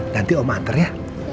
nanti om antar ya